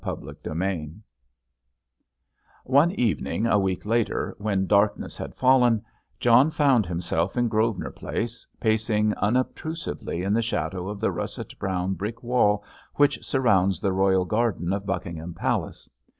CHAPTER XXIII One evening, a week later, when darkness had fallen, John found himself in Grosvenor Place, pacing unobtrusively in the shadow of the russet brown brick wall which surrounds the royal garden of Buckingham Palace.